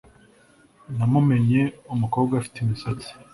namumenye umukobwa ufite imisatsi